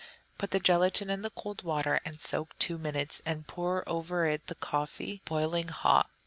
Put the gelatine in the cold water and soak two minutes, and pour over it the coffee, boiling hot.